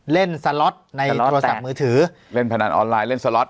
เล่นสล็อตในโทรศัพท์มือถือเล่นพนันออนไลน์เล่นสล็อต